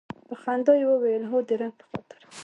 په خندا یې وویل هو د رنګ په خاطر.